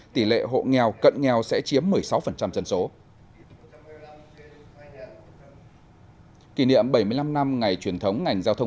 tỷ lệ hộ nghèo cận nghèo sẽ chiếm một mươi sáu dân số kỷ niệm bảy mươi năm năm ngày truyền thống ngành giao thông